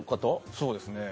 そうですね。